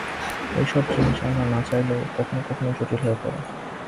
এই সব জিনিষ আমরা না চাইলেও কখনও কখনও জটিল হয়ে পড়ে।